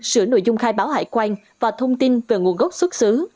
sửa nội dung khai báo hải quan và thông tin về nguồn gốc xuất xứ